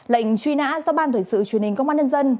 lệnh truy nã do ban thể sự truyền hình công an nhân dân